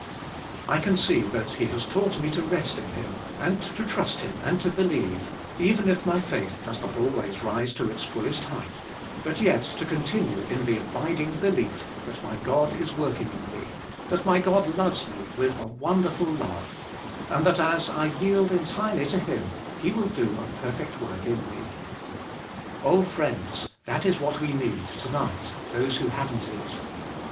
I can see that He has taught me to rest in Him and to trust Him and to believe, even if my faith does not always rise to its fullest height, but yet to continue in the abiding belief that my God is working in me; that my God loves me, with a wonderful love, and that as I yield entirely to Him He will do a perfect work in me. Oh friends, that is what we need, to night, those who haven't it.